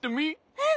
うん。